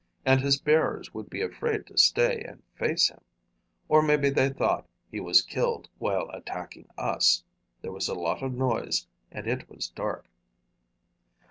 And his bearers would be afraid to stay and face him. Or maybe they thought he was killed while attacking us. There was a lot of noise, and it was dark."